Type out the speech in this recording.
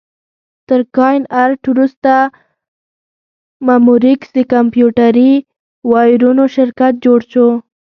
تر کاین ارټ وروسته مموریکس د کمپیوټري وایرونو شرکت جوړ شو.